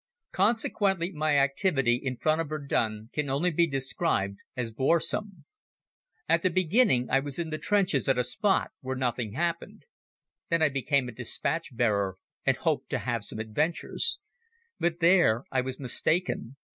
Consequently my activity in front of Verdun can only be described as boresome. At the beginning I was in the trenches at a spot where nothing happened. Then I became a dispatch bearer and hoped to have some adventures. But there I was mistaken.